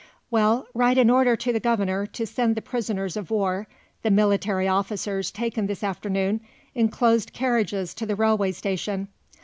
"Well, write an order to the Governor to send the prisoners of war, the military officers taken this afternoon, in closed carriages to the railway station.